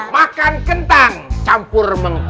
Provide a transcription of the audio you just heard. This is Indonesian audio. makan kentang campur mengkudu